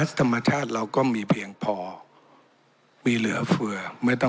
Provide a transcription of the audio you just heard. ก็ว่าอาจเข้าไปรูปรับค่าไฟฟ้าฐานเท่าไหร่ดูแลตัวค่ะ